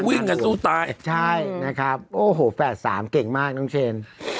วิ่งกันสู้ตายใช่นะครับโอ้โหแฝดสามเก่งมากน้องเชน